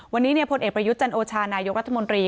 วันนี้พลเอกประยุทธ์จันโอชานายกรัฐมนตรี